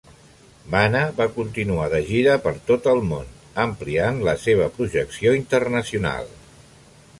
Bana va continuar de gira per tot el món, ampliant la seva projecció internacional.